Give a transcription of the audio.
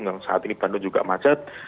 yang saat ini bandung juga macet